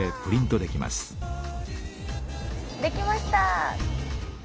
できました！